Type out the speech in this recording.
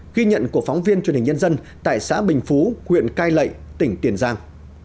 ghi nhận của phóng viên truyền hình nhân dân tại xã bình phú huyện cai lệ tỉnh tiền giang